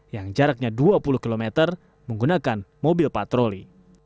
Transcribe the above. yang jaraknya dua puluh km menggunakan mobil patroli